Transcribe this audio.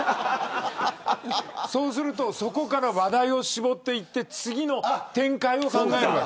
そうするとそこから話題を絞っていって次の展開を考えるのよ。